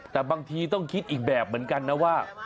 แต่บางทีต้องคิดอีกแบบเหมือนกันนะว่า